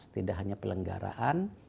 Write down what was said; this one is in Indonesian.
tidak hanya pelenggaraan